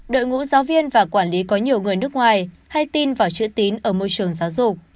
đội ngũ giáo viên và quản lý có nhiều người nước ngoài hay tin vào chữ tín ở môi trường giáo dục